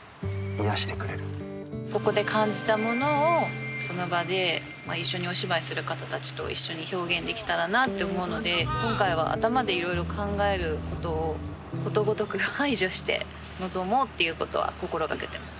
ここで感じたものをその場で一緒にお芝居する方たちと一緒に表現できたらなと思うので今回は頭でいろいろ考えることをことごとく排除して臨もうっていうことは心がけてます。